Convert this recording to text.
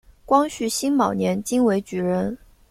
光绪辛卯年京闱举人。